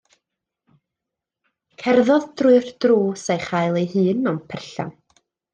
Cerddodd drwy'r drws a'i chael ei hun mewn perllan.